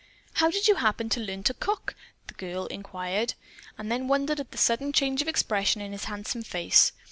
"How did you happen to learn how to cook?" the girl inquired, and then wondered at the sudden change of expression in his handsome face.